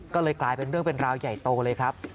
ก็เลยกลายเป็นเรื่องเป็นราวใหญ่โตเลยครับ